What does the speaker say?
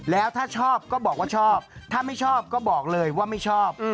แล้วถ้าชอบก็บอกว่าชอบถ้าไม่ชอบก็บอกเลยว่าไม่ชอบ